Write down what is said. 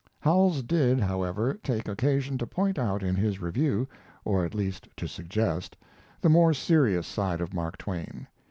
Howells did, however, take occasion to point out in his review, or at least to suggest, the more serious side of Mark Twain.